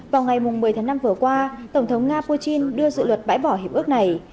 vào ngày một mươi tháng năm vừa qua tổng thống nga putin đưa dự luật bãi bỏ hiệp ước này